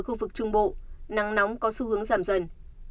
khu vực trung bộ nắng nóng có xu hướng giảm dần